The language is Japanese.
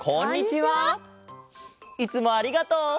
いつもありがとう。